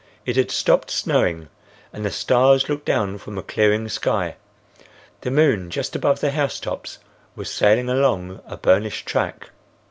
It had stopped snowing and the stars looked down from a clearing sky. The moon just above the housetops was sailing along a burnished track.